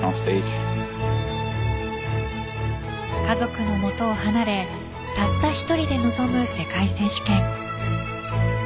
家族のもとを離れたった１人で臨む世界選手権。